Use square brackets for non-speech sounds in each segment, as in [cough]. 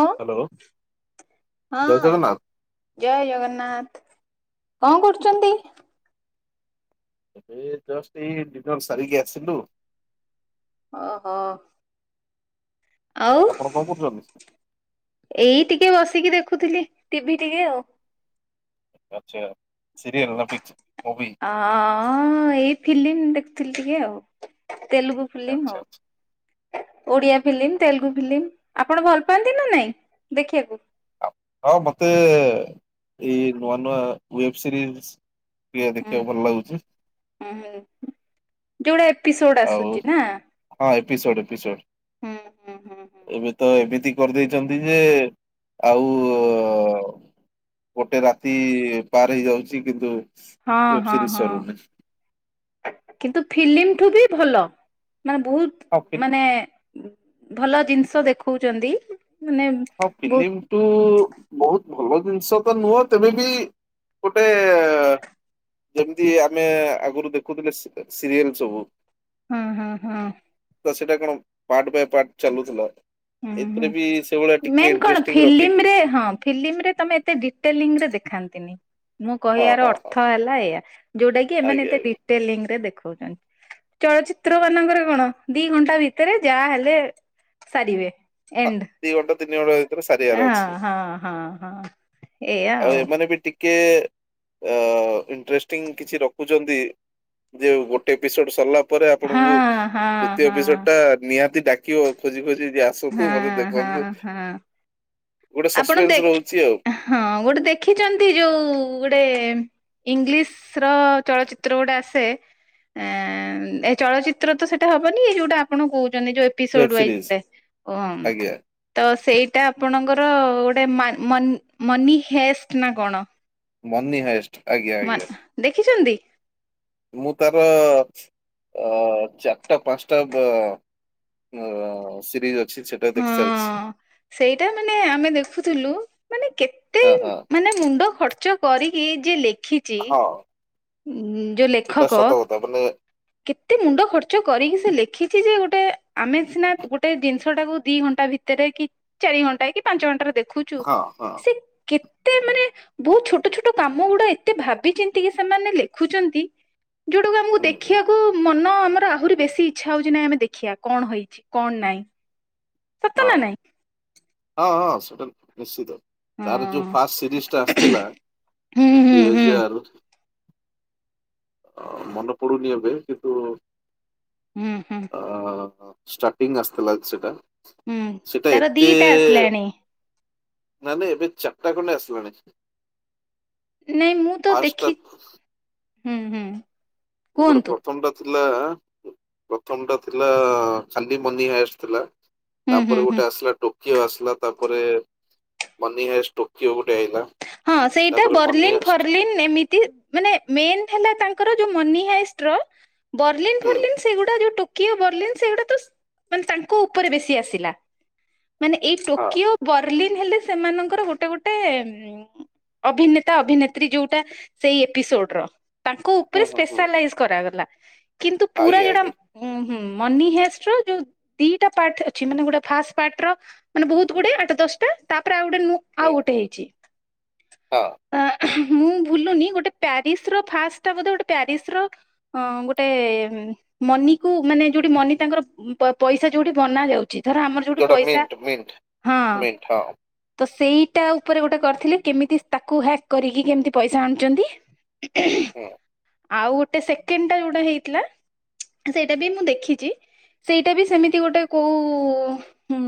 ଅଁ ହ୍ୟାଲୋ ଜୟ ହଁ ଜଗନ୍ନାଥ ଜୟ ଜଗନ୍ନାଥ କଣ କରୁଛନ୍ତି? ଏଇ ଜଷ୍ଟ ଏଇ ଡିନର ସାରିକି ଆସିବୁ। ଓ ହୋ। ଆଉ ଆପଣ କଣ କରୁଛନ୍ତି? ଏଇ ଟିକେ ବସ ତିିକି ଦେଖୁଥିଲି ଟିଭି ଟିକେ ଆଉ। ଆଚ୍ଛା ସିରିଏଲ୍ ନା ମୁଭି ହ ଏଇ ଫିଲ୍ମ ଦେଖୁଥିଲି ଟିକେ ଆଉ। ତେଲୁଗୁ ଫିଲ୍ମ ଆଚ୍ଛା ଆଚ୍ଛା ହଉ। ଓଡିଆ ଫିଲ୍ମ ତେଲୁଗୁ ଫିଲ୍ମ ଆପଣ ଭଲ ପାଆନ୍ତି ନା ନାଇଁ ଦେଖିବାକୁ। ହଁ ମତେ ଏଇ ନୂଆ ନୂଆ ୱବ ସିରିଜ ପ୍ରିୟା ହୁଁ ଦେଖିବାକୁ ଭଲ ଲାଗୁଛି। ହୁଁ ହୁଁ ଯୋଉଟା ଏପିସୋଡ ଆଉ ଆସୁଛି ନା ହଁ ଏପିସୋଡ ହୁଁ ହୁଁ ହୁଁ ହୁଁ। ଏପିସୋଡ ଏବେ ତ ଏମିତି କରିଦେଇଛନ୍ତି ଯେ ଆଉ ଗୋଟେ ରାତି ପାର ହେଇ ଯାଉଛି କିନ୍ତୁ ୱେବ ସିରିଜ ସରୁନି ହଁ-ହଁ-ହଁ କିନ୍ତୁ। ଫିଲ୍ମ ଠୁ ବି ଭଲ ମାନେ ବହୁତ ହଁ ଫିଲ୍ ମାନେ ଭଲ ଜିନିଷ ଦେଖଉଛନ୍ତି। ମାନେ ହଁ ବହୁତ ଫିଲ୍ମ ଟୁ ବହୁତ ଭଲ ଜିନିଷ ତ ନୁହଁ ତେମ ବି ଗୋଟେ ଯେମିତି ଆମେ ଆଗରୁ ଦେଖୁଥିଲେ ସିରିଏଲ ସବୁ ହଁ-ହଁ-ହଁ। ସେଟା କଣ ପାର୍ଟ ବାଇ ପାର୍ଟ ଚାଲୁଥିଲା ଏଥିରେ ବି ସେଇଭଳିଆ ଟିକେ ମେନ କଣ ଇଣ୍ଟରେଷ୍ଟିଂ ରଖିକି ଫିଲ୍ମରେ ହଁ ଫିଲ୍ମରେ ତମେ ଏତେ ଡିଟେଲିଙ୍ଗରେ ଦେଖାନ୍ତିନି। ମୁଁ ହଁ କହିବାର ହଁ ହଁ ଅର୍ଥ ହେଲା ଏୟା ଯୋଉଟା କି ଏମାନେ ଆଜ୍ଞା ଏତେ ଆଜ୍ଞା ଡିଟେଲ ଲିଙ୍କରେ ଦେଖୁ ଚଳଚିତ୍ର ମାନଙ୍କରେ କଣ ଦି ଘଣ୍ଟା ଭିତରେ ଯାହା ହେଲେ ସରିିବେ ହଁ, ଏଣ୍ଡ ଦି ଘଣ୍ଟା ତିନି ଘଣ୍ଟା ଭିତରେ ସାରିବାର ଅଛି ହ-ହଁ-ହଁ-ହଁ। ଏଇଆଉ। କେ ଇନଣ୍ଟ୍ରେଷ୍ଟିଙ୍ଗ କିଛି ରଖୁଛନ୍ତି ଯେ ଗୋଟେ ଏପିସୋଡ ସରିଲା ପରେ ହଁ ଆପଣଙ୍କୁ ହଁ ଦ୍ବିତୀୟ ହଁ ଏପିସୋଡ ଟା ନିହାତି ଡାକିବ ଖୋଜି ଖୋଜି ଯେ ଆସନ୍ତୁ ନହେଲେ ଦେଖ ହଁ-ହଁ। ଆପଣ ସସ୍ପେନ୍ସ ଦେଖ ରହୁଛି ଆଉ ହଁ ଗୋଟେ ଦେଖିଛନ୍ତି ଯୋଉ ଗୋଟେ ଇଂଲିଶ ର ଚଳଚିତ୍ର ଗୋଟେ ଆସେ। ଏଁ ଏ ଚଳଚିତ୍ର ତ ସେଟା ହବନି ଯୋଉଟା ଆପଣ କହୁ ୱେବ ଏପିସୋଡ ସିରିଜ ୱଇଜରେ [unintelligible] ଆଜ୍ଞା ତ ସେଇଟା ଆପଣଙ୍କ ଗୋଟେ ମନି ହେଷ୍ଟ ନା କଣ? Money heist. ଆଜ୍ଞା ମା ଆଜ୍ଞା ଦେଖିଚନ୍ତି? ମୁଁ ତାର ଅ ଚାରଟା ପାଞ୍ଚଟା ସିରିଜ ଅଛି ସେଟା ହଁ ଦେଖି ସାରିଛି। ସେଇଟା ମାନେ ଆମେ ଦେଖୁଥିଲୁ ମାନେ କେତେ ହଁ ହଁ ମାନେ ମୁଣ୍ଡ ଖର୍ ନଚ କରିକି ଯିଏ ଲେଖିଚି ହଁ ଉ ଯୋଉ ଏଟା ଲେଖକ ସତ କଥା ମାନେ କେତେ ମୁଣ୍ଡ ଖର୍ଚ୍ଚ କରିକି ସେ ଲେଖିଚି ଯେ ଗୋଟେ ଆମେ ସିନା ଗୋଟେ ଜିନିଷ ଟାକୁ ଦିଇ ଘଣ୍ଟା ଟା ଭିତରେ କି ଚାରି ଘଣ୍ଟା କି ପାଞ୍ଚ ଘଣ୍ଟାରେ ଦେଖୁଚୁ ହଁ ହଁ ସେ କେତ୍ ଏତେ ମାନେ ବୋହୁତ ଛୋଟ ଛୋଟ କାମ ଗୁଡା ଏତେ ଭାବିଚିନ୍ତି କି ସେମାନେ ଲେଖୁଚନ୍ତି ଯୋଉଟାକୁ ଆମକୁ ଦେ ହୁଁ ମନ ଆମର ଆହୁରି ବେଶି ଇଚ୍ଛା ହୋଉଚି ନାଇଁ ଆମେ ଦେଖିବା କଣ ହେଇଚି କଣ ନାଇଁ। ସତ ନା ନାଇଁ? ହଁଁ ସେଟା ତ ନିଶ୍ଚିତ। ତାର ଯୋଉ ହଁ ଫାଷ୍ଟ ସିରିଜ ଟା ଆସିଥିଲା ହୁଁ ଦୁଇ ହୁଁ ହୁଁ ହଜାର ଆ ମନେ ପଡୁନି ଏବେ କିନ୍ତୁ ଉଁ ହୁଁ। ଅ ଷ୍ଟାର୍ଟିଂ ଆସିଥିଲା ସେଟା ହୁଁ ସେ-ସେଟା ତାର ଏତେ ଦିଟା ଆସିଲାଣି ତାହଲେ ଏବେ ଚାର୍ଟା ଖଣ୍ଡେ ଆସିଲାଣି। ନାଇଁ ମୁଁ ତ ଫାଷ୍ଟ ଟା ଦେଖି ହୁଁ ହୁଁ। ଗୋଟେ କୁହନ୍ତୁ ପ୍ରଥମ ଟା ଥ୍ ଥିଲା ପ୍ରଥମ ଟା ଥିଲା ଖାଲି ମନି ହାଏଷ୍ଟ ଥିଲା। ହୁଁ ହୁଁ ତାପରେ ହୁଁ ଗୋଟେ ଆସିଲା ଟୋ କିଓ ଆସିଲା ତାପରେ ମନି ହାଏଷ୍ଟ୍ ଟୋକିଓ ଗୋଟେ ଆଇଲା। ହଁ ସେଇଟା ତାପରେ ମନି ବର୍ଲିନ ହାଏଷ୍ଟ ଫର୍ଲିନ ଏମିତି ମାନେ ମେନ୍ ହେଲା ତାଙ୍କର ଯୋଉ ମନିହାଇସ୍ ଷ୍ଟ୍ରଲ ବର୍ଲିନ ହୁଁ ଫର୍ଲିନ ସେଗୁଡା ଯୋଉ ଟୁକ କିଏ ବର୍ଲିନ୍ ସେଗୁଡା ତ ସ ମାନେ ତାଙ୍କ ଉପରେ ବେଶୀ ଆସିଲା। ମାନେ ଏଇ ହଁ ଟୋକିଓ ବର୍ଲିନ ହେଲେ ସେମାନଙ୍କର ଗୋଟେ ଗୋଟେ ଅଭିନେତା ଅଭିନେତ୍ରୀ ଯୋଉଟା ସେଇ ଏପିସୋଡ ର ତାଙ୍କ ହୁଁ ଉପରେ ହୁଁ ହୁଁ ସ୍ପେଶାଲାଇଜ୍ କରାଗଲା। କିନ୍ତୁ ପୁରା ଆଜ୍ଞା ଯୋଉଟା ଆଜ୍ଞା ଉଁ ହୁଁ ମନି ହେଷ୍ଟର ଯୋଉ ଦିଟା ପାର୍ଟ ଅଛି ମାନେ ଗୋଟେ ଫାଷ୍ଟ ପାର୍ଟ ର ମାନେ ବହୁତ ଗୁଡେ ଆଠ ଦ ଷ୍ଟା ତାପରେ ଆଉ ଗୋଟେ ନୁ ଆଉ ହୁଁ ଗୋଟେ ହୁଁ ହେଇଚି। ହଁ। ମୁଁ ଭୁଲୁନି ଗୋଟେ ପ୍ୱା ପ୍ୟାରିସ ର ଫାଷ୍ଟ ଟା ବୋଧେ ଗୋଟେ ପ୍ୟାରିସ ର ଅଁ ଗୋଟେ ମନିକୁ ମାନେ ଯୋଉଠି କି ମନି ତାଙ୍କର ପ ପଇସା ଯୋଉଠି ବନା ଯାଉ ଧର ଆମର ଯୋଉଠି ଯୋଉଟା ପଇସା ମିଣ୍ଟ ମିଣ୍ଟ ହଁ ମିଣ୍ଟ ହଁ ତ ସ ସେଇଟା ଉପରେ ଗୋଟେ କରିଥିଲେ କେମିତି ତାକୁ ହ୍ୟାକ୍ କରିକି କେମିତି ପଇସା ଆଣଚନ୍ତି। ହୁଁ। ଆଉ ଗୋଟେ ସେକେଣ୍ଡ ଟା ଯୋଉଟା ହେଇଥିଲା ସେଇଟା ବି ମୁଁ ଦେଖିଚି। ସେଇଟା ବି ସେମିତି ଗୋଟେ କୋଉ ହୁଁ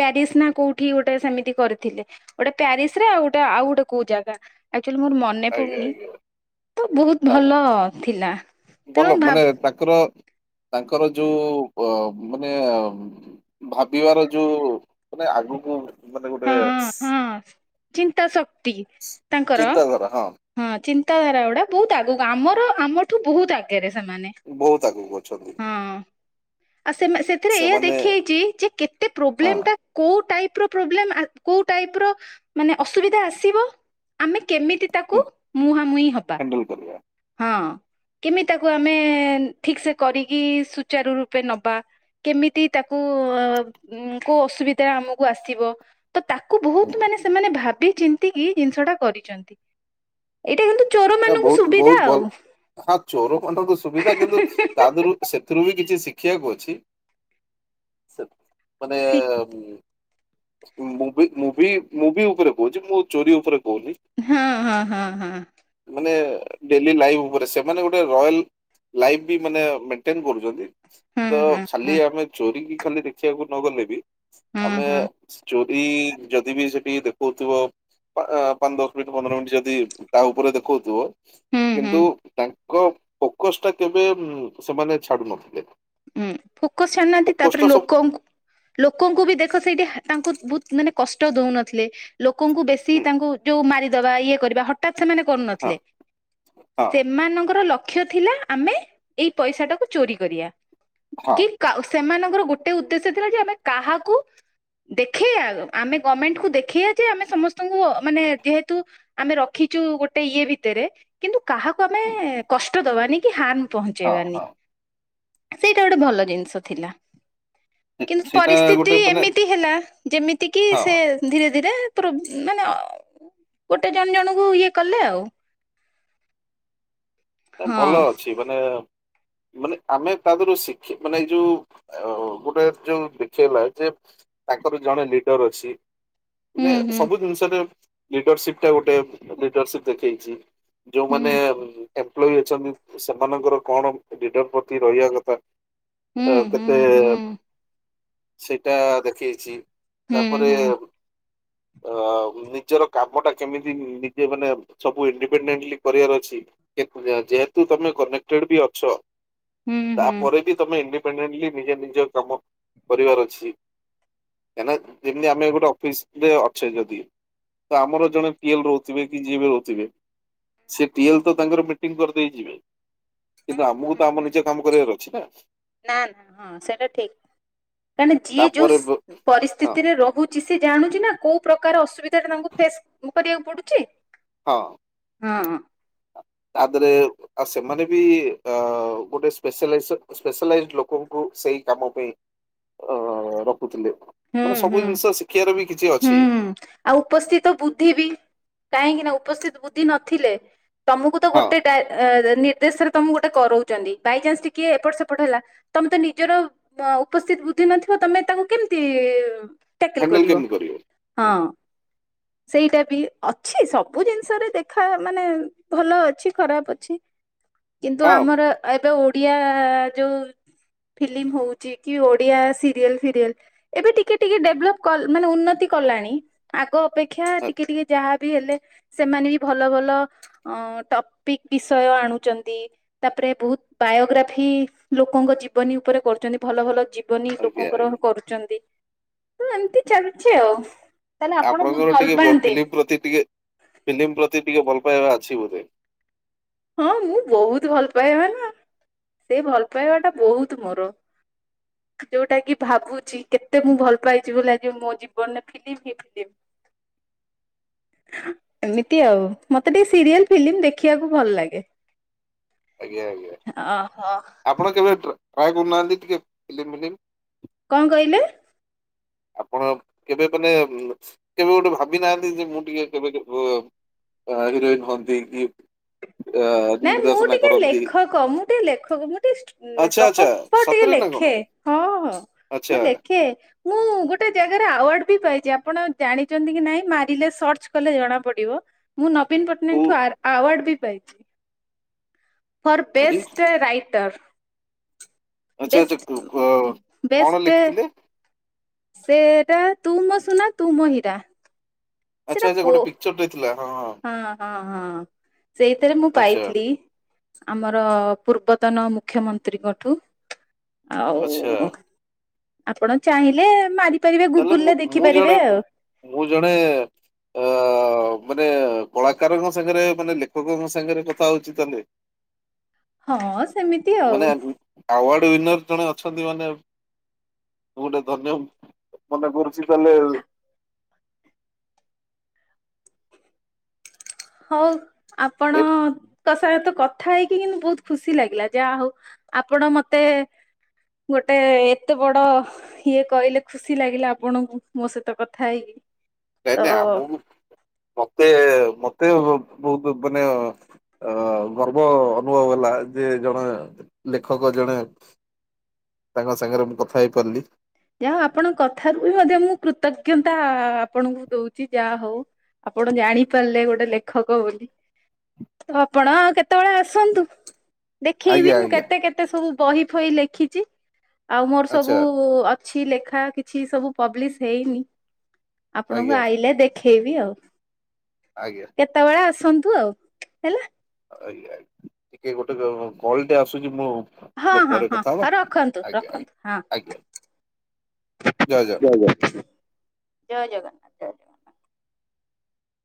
ପ୍ୟାରିସ ନା କୋଉଠି ଗୋଟେ ସେମିତି କରିଥିଲେ ଗୋଟେ ପ୍ୟାରିସ ସ୍ ରେ ଆଉ ଗୋଟେ ଆଉ ଗୋଟେ କୋଉ ଜାଗା ଆକ୍ଚୁଆଲି ମୋର ମନେ ଆଜ୍ଞା ପୁଡନି। ଆଜ୍ଞା ତ ବହୁତ ହଁ ଭଲ ଥିଲା ଭଲ ତେଣୁ ମାନେ ଭାବ ତାଙ୍କର ତାଙ୍କର ଯୋଉ ଅ ମାନେ ଭାବିବାର ଯୋଉ ମାନେ ଆଗକୁ ମାନେ ଗୋଟେ ହଁ ସି ହଁ ଚିନ୍ତା ଶକ୍ତି ତାଙ୍କର ହଁ। ଚିନ୍ତାଧାରା ଗୁଡା ବହୁତ ଆଗକୁ ଆମର ଆମଠୁ ବହୁତ ଆଗରେ। ସେମାନେ ବହୁତ ଆଗକୁ ଅଛନ୍ତି ହଁ। ଆ ସେ ସେଥିରେ ଏଇଆ ସେମାନେ ଦେଖିେଇଛି ଯେ କେତେ ହଁ ପ୍ରୋବ୍ଲେମ ଟା କୋଉ ଟାଇପ- ପ୍ରୋବ୍ଲେମ କୋଉ ଟାଇପ ର ଅସୁବିଧା ଆସିବ ଆମେ କେମିତି ତାକୁ ମୁହାଁମୁହିଁ ହବା ହ୍ୟାଣ୍ଡଲ କରିବା ହଁ? କେମିତି ତାକୁ ଆମେ ଠିକ ସେ କରିକି ସୁଚାରୁ ନବା କେମିତି ତାକୁ କୋଉ ଅସୁବିଧା ଆମକୁ ଆସିବ? ତ ତାକୁ ବହୁତ ହୁଁ। ମାନେ ସେମାନେ ଭାବି ଚିନ୍ତିକି ଜିନିଷ ଟା କରିଛନ୍ତି ଏଇଟା କିନ୍ତୁ ଚୋର ନା ମାନଙ୍କୁ ବହୁତ ସୁବିଧା ବହୁତ ଆଉ। ଭଲ। ହଁ ଚୋର ପଣ୍ଟକୁ ସୁବିଧା କିନ୍ତୁ ତାହରୁ ସେଥିରୁ ବି କିଛି ଖିଆକୁ ଅଛି ମାନେ ଶି ମୁଁ ମୁଁ ଭି ମୁଭି ଉପରେ କହୁଛି ମୁଁ ଚୋରି ଉପରେ କ ହଁ ହଁ ହଁ ହଁ। ମାନେ ଡେଲି ଲାଇଫ ଉପରେ ସେମାନେ ଗୋଟେ ରୟାଲ ଲାଇଫ ବି ମାନେ ମେଣ୍ଟେନ୍ କରୁଛନ୍ତି। ତ ହୁଁ ଖାଲି ହୁଁ ଆମେ ଚୋରି କି ଖାଲି ଦେଖିବାକୁ ନ ଗଲେ ବି ହୁଁ ହୁଁ ଆମେ ହୁଁ ଚୋରି ଏଇ ଯଦି ବି ସେଠି ଦେଖଉଥିବ ପାଞ୍ଚ ଦଶ ମିନିଟ ପନ୍ଦର ମିନିଟ୍ ଯଦି ତା ପୁରା ଦେଖଉଥିବ ହୁଁ ହୁଁ କିନ୍ତୁ ତାଙ୍କ ଫୋକସ ଟା କେବେ ସେମାନେ ଛାଡୁ ନଥିଲେ। ହଁ ଫୋକସ ଛାଡୁନାହାନ୍ତି ତାପରେ ସବୁ ଲୋକଙ୍କୁ ଲୋକଙ୍କୁ ବି ଦେଖ ସେଇଠି ତାଙ୍କୁ ବହୁତ ମାନେ କଷ୍ଟ ଦଉନଥିଲେ ଲୋକଙ୍କୁ ବେଶୀ ତାଙ୍କୁ ଯୋଉ ମାରିଦବା ଇଏ କରିବା ହଠାତ୍। ସେମାନେ ହଁ କରୁନଥିଲେ। ହଁ ସେମାନଙ୍କ ଲକ୍ଷ୍ୟ ଲକ୍ଷ ଥିଲା ଆମେ ଏଇ ପଇସା ଟାକୁ ଚୋରି କରିବା ହଁ କି ସେମାନଙ୍କର ଗୋଟେ ଉଦ୍ଦେଶ୍ୟ ଥିଲା ଯେ ଆମେ କାହାକୁ ଦେଖେଇବା ଆମେ ଗମେଣ୍ଟ କୁ ଦେଖେଇବା ଯେ ଆମେ ସମସ୍ତଙ୍କୁ ମାନେ ଯେହେତୁ ଆମେ ରଖ କିୁ ଗୋଟେ ଇଏ ଭିତରେ କିନ୍ତୁ କାହାକୁ ଆମେ କଷ୍ଟ ଦବାନି କି ହଁ ପହଞ୍ଚେଇବାନି ହଁ ସେଇଟା ଗୋଟେ ଭଲ ଜିନିଷ ଥିଲା। ସେ- କିନ୍ତୁ ସେଇଟା ପରିସ୍ଥିତି ଗୋଟେ ମାନେ ଏମିତି ହେଲା ଯେମିତି କିି ହଁ ସେ ଧୀରେ [unintelligible] ଗୋଟେ ଜଣେ ଜଣଙ୍କୁ ଇଏ କଲେ ଆଉ। ଭଲ ହଁ ଅଛି ମାନେ ମାନେ ଆମେ ତା ଦେହରୁ ଶିଖି ମାନେ ଏଇ ଯୋଉ ଗୋଟେ ଯୋଉ ଶିଖେଇବା ଯେତା ତାଙ୍କର ଜଣେ ଲିଡର ଅଛି। ମାନେ ହୁଁ ସବୁ ଜିନିଷରେ ଲିଡରସିପ ଟା ଗୋଟେ ଲିଡରସିପ ଦେଖେଇଛି। ହୁଁ ହୁଁ ଯୋଉମାନେ ଏମ୍ପ୍ଲାଇ ଅଛନ୍ତି ସେମାନଙ୍କର କଣ ଲିଡର ପ୍ରତି ରହିବା କଥା ହୁଁ ଏ କେତେ ହୁଁ ହୁଁ। ସେଇଟା ଦେଖେଇଛି ହୁଁ ତାପରେ ହୁଁ ଅ ନିଜର କାମ ଟା କେମିତି ନିଜେ ମାନେ ସବୁ ଇଣ୍ଡିପେଣ୍ଡେଣ୍ଟଲି କରିବାର ଅଛି [unintelligible] ଯେହେତୁ ତମେ କନେକ୍ଟେଡ ବି ଅଛ ହୁଁ ହୁଁ ହୁଁ ତାପରେ ବି ତମେ ଇଣ୍ଡି ଇଣ୍ଡିପେଣ୍ଡେଲି ନିଜେ ନିଜ କାମ କରିବାର ଅଛି। କାହିଁକି ନା ଯେମତି ଆମେ ଗୋଟେ ଅଫିସ ରେ ଅଛେ ଯଦି ତ ଆମର ଜଣେ ଟିଏଲ ରହୁଥିବେ କି, ଯିଏ ବି ରହୁଥିବେ ସେ ଟିଏଲ ତ ତାଙ୍କର ମିଟିଂଙ୍ଗି କରିଦେଇ ଯିବେ। କିନ୍ତୁ ଆମକୁ ହୁଁ ତ ଆମ ନିଜେ ହୁଁ କାମ କରିବାର ଅଛି ନା? କାହିଁକିନା ଯିଏ ଯୋଉ ତାପରେ ହଁ ସୁ ପରିସ୍ଥିତିରେ ରହୁଚି ସେ ଜାଣୁଛି ନା କୋଉ ପ୍ରକାର ଅସୁବିଧା ଟା ତାଙ୍କୁ ଫେସ କରିବାକୁ ପଡ଼ୁଚି। ହଁ। ହଁ। ତା ଧେରେ ଆ ସେମାନେ ବି ଅ ଗୋଟେପ ସ୍ପଲାଇଜେସନ୍ ଲୋକଙ୍କୁ ସେଇ କାମ ପାଇଁ ଅ ରଖୁଥିଲେ। ହୁଁ ମାନେ ସବୁ ହୁଁ ଜିନିଷ ଶିଖିବାର ବି କିଛି ଅଛି ହୁଁ ଆଉ ଉପସ୍ଥିତ ବୁଦ୍ଧି ବି କାହିଁକି ନା ଉପସ୍ଥିତ ବୁଦ୍ଧି ନଥିଲେ ତମକୁ ତ ହଁ ଗୋଟେ ଡା ଏ ନି ଦେଶରେ ତମକୁ ଗୋଟେ କରଉଚନ୍ତି ବାଇଚାନ୍ସ ଟିକେ ଏପଟ ସେପଟ ହେଲା ତମେ ତ ନିଜର ଉପସ୍ଥି ନଥିବ, ତମେ ତାକୁ କେମିତି ଟ୍ୟାକଲ ହ୍ୟାଣ୍ଡେଲ କରିବ କେମିତି କରିବେ। ହୁଁ ହଁ। ସେଇଟା ବି ଅଛି ସବୁ ଜିନିଷରେ ଦେଖା ମାନେ ଭଲ ଅଛି ଖରାପ ଅଛି କିନ୍ତୁ ହଁ ଆମର ଏବେ ଓଡିଆ ଯୋଉ ଫିଲ୍ମ ହଉଛି କି ଓଡିଆ ସିରିଏଲ ଫିରିଏଲ ଏବେ ଟିକେ ଟିକେ ଡେଭଲପ ମାନେ ଉନ୍ନତି କଲାଣି, ଆଗ ଅପେକ୍ଷା ଟିକେ ଟିକେ ଯାହାବି ହେଲେ ସେମାନେ ବି ଭଲ ଭଲ ଅ ଟପିକ ବିଷୟ ଆଣୁଛନ୍ତି ତାପରେ ବହୁତ ବାୟୋଗ୍ରାଫି ଲୋକଙ୍କ ଜୀବନୀ ଉପରେ କରୁଛନ୍ତି ଭଲ ଭଲ ଜୀବନୀ ଆଜ୍ଞା ଲୋକଙ୍କର ଆଜ୍ଞା। କରୁଛନ୍ତି ତ ଏମିତି ଚାଲୁଛି ଆଉ ତାହେଲେ ଆପଣ ବହୁତ ଆପଣଙ୍କର ଭଲ ଟିକେ ପାଆନ୍ତି ଫିଲ୍ମ ପ୍ରତି ଟିକେ ଫିଲ୍ମ ପ୍ରତି ଟିକେ ଭଲ ବା ଅଛି ବୋଧେ ହଁ ମୁଁ ବହୁତ ଭଲ ପାଏ ମ ନା ସେ ଭଲ ପାଇବା ଟା ବହୁତ ମୋର ଯୋଉଟା କି ଭାବୁଛି କେତେ ମୁଁ ଭଲ ପାଇଛି, ବୋଲି ଆଜି ମୋ ଜୀବନରେ ଫିଲ୍ମ ହିଁ ଫିଲ୍ମ। ଏମିତି ଆଉ ମତେ ଟିକେ ସିରିଏଲ ଫିଲ୍ମ ଦେଖିବାକୁ ଭଲ ଲାଗେ। ଆଜ୍ଞା ଆଜ୍ଞା ଓହୋ ଆପଣ କେବେ ଟ୍ରାଏ କରୁନାହାନ୍ତି ଟିକେ ଫିଲ୍ମ ମିଲ୍ମି କଣ କହିଲେ? ଆପଣ କେବେ ମାନେ କେବେ ଗୋଟେ ଭାବି ନାହାନ୍ତି ଯେ ମୁଁ ଟିକେ କେବେ ଅଆ ହିରୋଇନ୍ ହନ୍ତି କି ନାଇଁ ମୁଁ ନିର୍ଦ୍ଦେଶନା ଟିକେ କରନ୍ତି ଲେଖକ ମୁଁ ଟିକେ ଲେଖକ ମୁଁ ଟିକେ ଆଚ୍ଛା ଗପ ଆଚ୍ଛା ଗପ ଟିକେ ସତରେ ନା କଣ ଲେଖେ ହଁ ହଁ ଆଚ୍ଛା ମୁଁ ଲେଖେ ମୁଁ ଗୋଟେ ଜାଗାରେ ଆୱାର୍ଡ ବି ପାଇଛି ଆପଣ ଜାଣିଛନ୍ତି କି ନାଇଁ ମାରିଲେ ସର୍ଚ୍ଚ କଲେ ଜଣା ପଡିବ ମୁଁ ନବୀନ ପଟ୍ଟନାୟକ କୋଉ ଠୁ ଆୱାର୍ଡ ବି ପାଇଛି। ଫର୍ ଆଜି ବେଷ୍ଟ ରାଇଟର୍ ଆଚ୍ଛା ଆଚ୍ଛା କଣ ବେଷ୍ଟ ଲେଖିଥିଲେ ସେଟା ତୁ ମୋ ସୁନା ତୁ ମ ହିରା ଆଚ୍ଛା ଆଚ୍ଛା ଗୋଟେ ପିକଚରଟ ଥିଲା। ହଁ ହଁ ହଁ ସେଇଥିରେ ମୁଁ ଆଚ୍ଛା ପାଇଥିଲି ଆମର ପୂର୍ବ ପୂର୍ତନ ମୁଖ୍ୟମନ୍ତ୍ରୀଙ୍କଠୁ ଆଉ ଆଚ୍ଛା ଆପଣ ଚାହିଁଲେ ମାରି ତାହାଲେ ମୁଁ ମୁଁ ଜଣେ ମୁଁ ଜଣେ ଅ ମାନେ କଳାକାରଙ୍କ ସାଙ୍ଗରେ ମାନେ ଲେଖକଙ୍କ ସାଙ୍ଗରେ କଥା ହଉଚି ତା ହେଲେ ହଁ ସେମିତି ଆଉ ମାନେ ଆୱାର୍ଡ ୱନିର ଜଣେ ଅଛନ୍ତି ମାନେ ମୁଁ ଗୋଟେ ଧନ୍ୟ ମନେ କରୁଛି ତାହେଲେ [unintelligible] ହଉ ଏ ଆପଣଙ୍କ ସା କଥା ହେଇକି କିନ୍ତୁ ବହୁତ ଖୁସି ଲାଗିଲା ଯାହା ହଉ ଆପଣ ମତେ ଗୋଟେ ଏତେ ବଡ ଇଏ କହିଲେ, ଖୁସି ଲାଗିଲା ଆପଣଙ୍କୁ ମୋ ସହିତ କଥା ହେଇକି। ନାଇଁ ନାଇଁ ତ ଆମ ମତେ ମତେ ବହୁତ ମାନେ ଅ ଗର୍ବ ଅନୁଭବ ହେଲା ଯେ ଜଣେ ଲେଖକ ଜଣେ ତାଙ୍କ ସାଙ୍ଗରେ ମୁଁ କଥା ହେଇ ପାରିଲି। ଯାହା ଆପଣଙ୍କ କଥାରୁ ବି ମଧ୍ୟ ମୁଁ କୃତଜ୍ଞତା ଆପଣଙ୍କୁ ଦଉଛି ଯାହା ହଉ ଆପଣ ଜାଣି ପାରିଲେ ଗୋଟେ ଲେଖକ ବୋଲି ତ ଆପଣ କେତେବେଳେ ଆସନ୍ତୁ। ଦେଖେଇବି ଆଜ୍ଞା ମୁଁ ଆଜ୍ଞା କେତେ କେତେ ସବୁ ବହି ଫହି ଲେଖିଛି ଆଉ ମୋର ସବୁ ଆଚ୍ଛା କିଛି ଲେଖା କିଛି ସବୁ ପବଲିଶ୍ ହେଇନି ଆପଣଙ୍କୁ ଆଜ୍ଞା ଆଇଲେ ଦେଖ ଦେଖେଇବି ଆଉ ଆଜ୍ଞା କେତେବେଳେ ଆସନ୍ତୁ ଆଉ ହେଲା। ଆଜ୍ଞାା ଟିକେ ଗୋଟେ କଲଟେ ଆସୁଛି ମୁଁ ହଁ ଟିକେ ହଁ ପରେ କଥା ହବା ହଁ ରଖନ୍ତୁ ଆଜ୍ଞା ରଖନ୍ତୁ ହଁ ଆଜ୍ଞା ହଁ। ଆଜ୍ଞା ଜୟ ଜଗନ୍ନାଥ। ଜୟ ଜଗନ୍ନାଥ। ଜୟ ଜଗନ୍ନାଥ।